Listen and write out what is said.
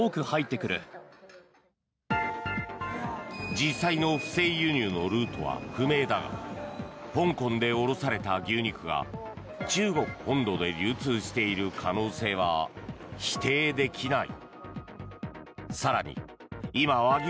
実際の不正輸入のルートは不明だが香港で下ろされた牛肉が中国本土で流通している可能性は否定できない。